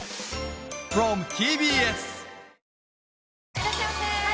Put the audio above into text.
いらっしゃいませ！